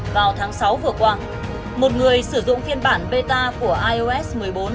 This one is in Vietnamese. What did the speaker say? vào tháng sáu vừa qua một người sử dụng phiên bản peta của ios một mươi bốn